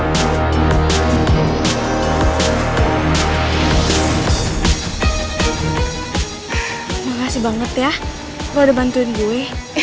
terima kasih banget ya udah bantuin gue